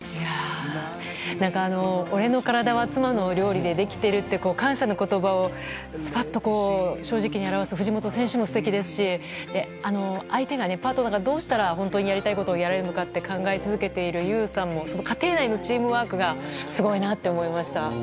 俺の体は妻の料理でできてるって感謝の言葉をスパッと正直に表す藤本選手も素敵ですし相手が、パートナーがどうしたら本当にやりたいことをやれるのかと考え続けている優さんも家庭内のチームワークがすごいなと思いました。